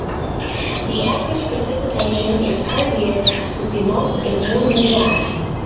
The average precipitation is per year, with the most in June and July.